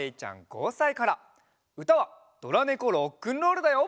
うたは「ドラネコロックンロール」だよ。